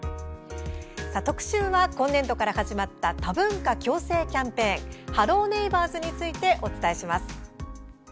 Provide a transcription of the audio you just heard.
特集は今年度から始まった多文化共生キャンペーン「ハロー！ネイバーズ」についてお伝えします。